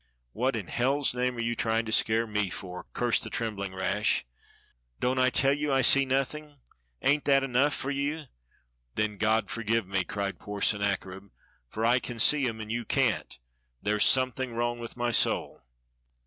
"What in hell's name are you trying to scare me for.^" cursed the trembling Rash. "Don't I tell you I see nothing? Ain't that enough for you.^^ " "Then God forgive me!" cried poor Sennacherib, "for I can see 'em and you can't; there's something wrong with my soul."